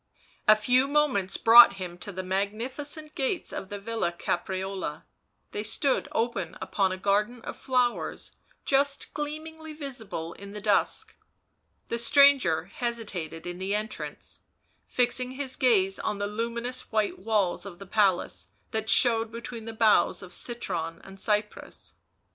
A few moments brought him to the magnificent gates of the Villa Caprarola; they stood open upon a garden of flowers just gleamingly visible in the dusk ; the stranger hesitated in the entrance, fixing his gaze on the luminous white walls of the palace that showed between the boughs of citron and cypress.